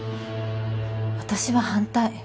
私は反対。